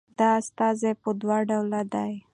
دا استازي په دوه ډوله ده